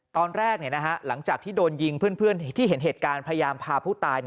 ตอนแรกหลังจากที่โดนยิงเพื่อนที่เห็นเหตุการณ์พยายามพาผู้ตาย